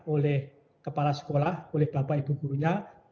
oleh kepala sekolah oleh bapak ibu gurunya